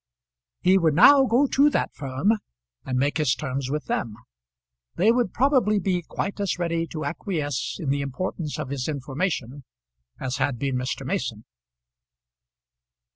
He would now go to that firm and make his terms with them. They would probably be quite as ready to acquiesce in the importance of his information as had been Mr. Mason.